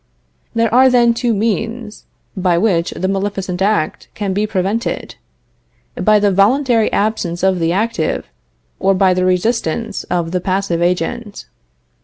There are, then, two means by which the maleficent act can be prevented: by the voluntary absence of the active, or by the resistance of the passive agent.